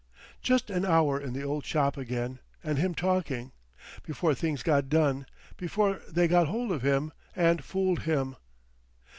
"Just an hour in the old shop again—and him talking. Before things got done. Before they got hold of him. And fooled him.